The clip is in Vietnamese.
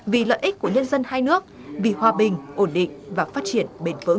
vì lợi ích của nhân dân hai nước vì hòa bình ổn định và phát triển bền vững